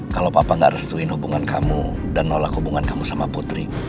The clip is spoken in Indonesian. kalau papa gak restuin hubungan kamu dan nolak hubungan kamu sama putri